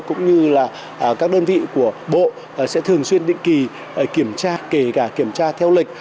cũng như là các đơn vị của bộ sẽ thường xuyên định kỳ kiểm tra kể cả kiểm tra theo lịch